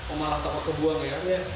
oh malah takut terbuang ya